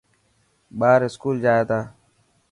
ٻار اسڪول جائي تا.